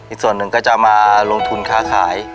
อีกส่วนหนึ่งก็จะมาลงทุนค่าขาย